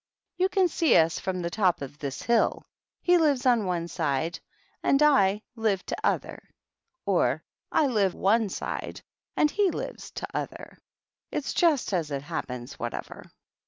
You can see us from ti top of this hill. He lives one side and I li t'other; or, I live one side and he lives t'othi It's just as it happens, whatever."